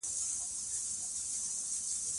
استاد د شاګردانو ترمنځ د سالمې سیالۍ روحیه پیاوړې کوي.